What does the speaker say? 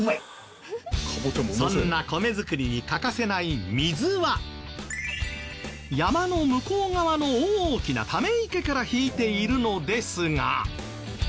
そんな米作りに欠かせない水は山の向こう側の大きなため池から引いているのですが。